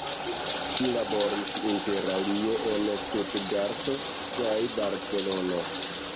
Ŝi laboris interalie en Stutgarto kaj Barcelono.